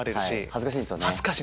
恥ずかしいですよね。